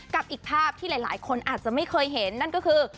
กับอีกภาพที่หลายคนอาจจะไม่เคยเห็นนั่นก็คือ